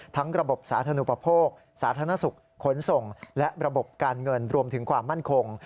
ระบบสาธารณูปโภคสาธารณสุขขนส่งและระบบการเงินรวมถึงความมั่นคง